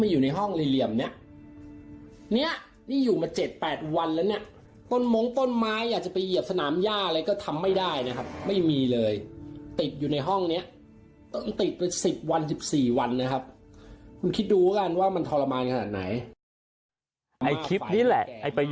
อยู่ในห้องนี้ต้องติดไป๑๐วัน๑๔วันนะครับ